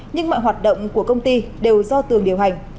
nhưng mọi hoạt động của công ty đều do tường điều hành